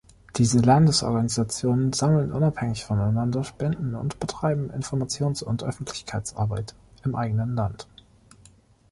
Diese Landesorganisationen sammeln unabhängig voneinander Spenden und betreiben Informations- und Öffentlichkeitsarbeit im eigenen Land.